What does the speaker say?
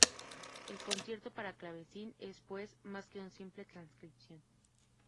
El concierto para clavecín es, pues, más que una simple transcripción.